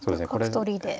角取りで。